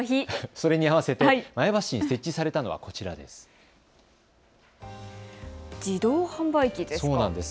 それに合わせて前橋市に設置されたのはこちらです。